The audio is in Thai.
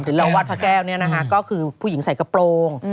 เราวัดพระแก้วก็คือผู้หญิงใส่กระโปรง